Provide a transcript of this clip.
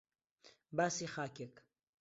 باسی خاکێک